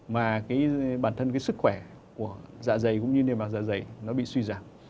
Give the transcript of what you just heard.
mà cái bản thân cái sức khỏe của dạ dày cũng như nề bạc dạ dày nó bị suy giảm